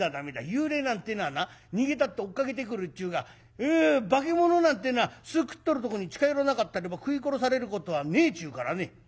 幽霊なんてのはな逃げたって追っかけてくるっちゅうが化物なんてのは巣くってるとこに近寄らなかったらば食い殺されることはねえちゅうからね。